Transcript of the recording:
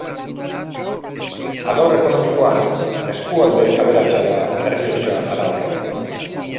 Alor ekonomikoan, eskualde aberatsa da Errioxa Arabarra.